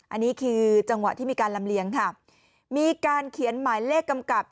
อันนี้คือจังหวะที่มีการลำเลียงค่ะมีการเขียนหมายเลขกำกับ